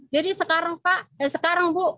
jadi sekarang pak eh sekarang bu